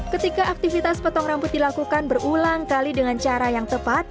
ketika aktivitas potong rambut dilakukan berulang kali dengan cara yang tepat